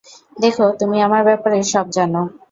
দেখো, তুমি আমার ব্যাপারে সব জানো।